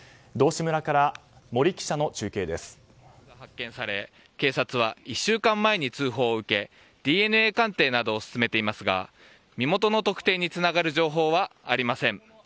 骨の一部が発見され警察は１週間前に通報を受けＤＮＡ鑑定などを進めていますが身元の特定につながる情報はありません。